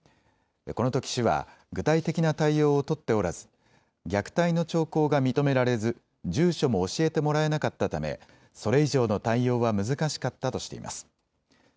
このとき市は具体的な対応を取っておらず虐待の兆候が認められず住所も教えてもらえなかったためそれ以上の対応は難しかったとしています。